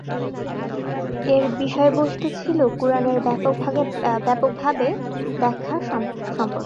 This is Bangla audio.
এর বিষয়বস্তু ছিল কুরআনের ব্যাপকভাবে ব্যাখ্যা সম্পর্কে।